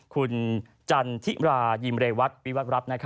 คุณจันทิระยิมเลวัดพรีวัตรรัพย์